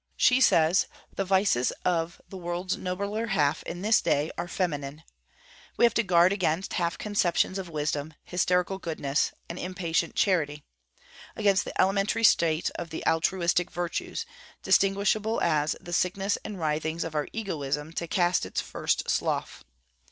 She says, 'The vices of the world's nobler half in this day are feminine.' We have to guard against 'half conceptions of wisdom, hysterical goodness, an impatient charity' against the elementary state of the altruistic virtues, distinguishable as the sickness and writhings of our egoism to cast its first slough.